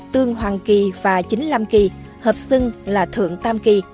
tương hoàng kỳ và chính lam kỳ hợp xưng là thượng tam kỳ